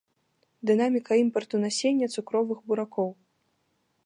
Дынаміка імпарту насення цукровых буракоў.